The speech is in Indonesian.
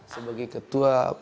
sebagai ketua pan